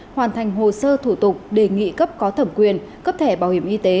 hoàn thành hồ sơ thủ tục đề nghị cấp có thẩm quyền cấp thẻ bảo hiểm y tế